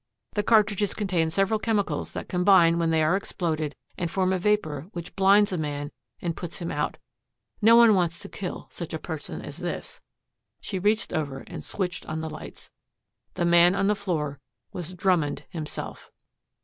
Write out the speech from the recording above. The cartridges contain several chemicals that combine when they are exploded and form a vapor which blinds a man and puts him out. No one wants to kill such a person as this." She reached over and switched on the lights. The man on the floor was Drummond himself.